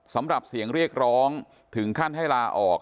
สำหรับเสียงเรียกร้องถึงขั้นให้ลาออก